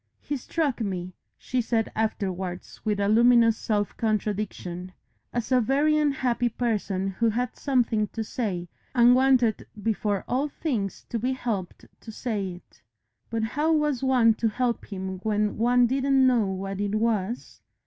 "He struck me," she said afterwards with a luminous self contradiction, "as a very unhappy person who had something to say, and wanted before all things to be helped to say it. But how was one to help him when one didn't know what it was?"